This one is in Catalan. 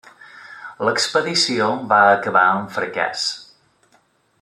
L'expedició va acabar en fracàs.